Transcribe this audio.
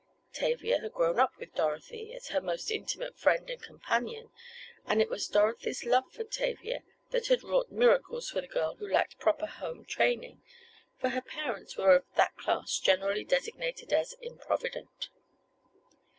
Tavia had grown up with Dorothy, as her most intimate friend and companion, and it was Dorothy's love for Tavia that had wrought miracles for the girl who lacked proper home training, for her parents were of that class generally designated as improvident.